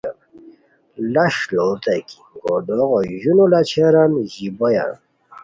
لش لوڑتائے کی گوردوغو ژونو لاچھیران، ژیبویان